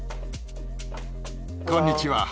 こんにちは。